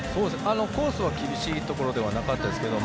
コースは厳しいところではなかったですけど